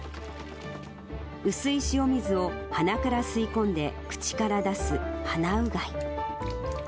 薄い塩水を鼻から吸い込んで口から出す、鼻うがい。